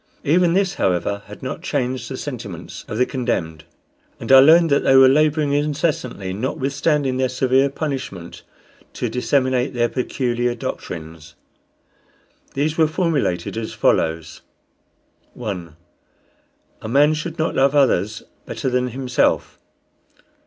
Even this, however, had not changed the sentiments of the condemned, and I learned that they were laboring incessantly, notwithstanding their severe punishment, to disseminate their peculiar doctrines. These were formulated as follows: 1. A man should not love others better than himself.